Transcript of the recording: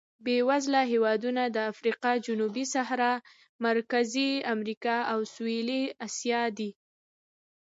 بېوزله هېوادونه د افریقا جنوبي صحرا، مرکزي امریکا او سوېلي اسیا دي.